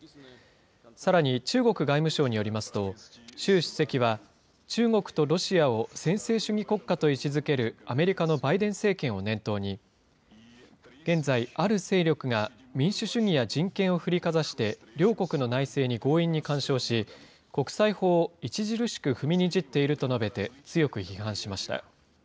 さらに中国外務省によりますと、習主席は中国とロシアを専制主義国家と位置づけるアメリカのバイデン政権を念頭に、現在、ある勢力が民主主義や人権を振りかざして両国の内政に強引に干渉し、国際法を著しく踏みにじっていると述べて、強く批判しました。